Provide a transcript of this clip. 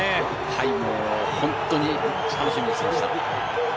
はい、本当に楽しみにしていました。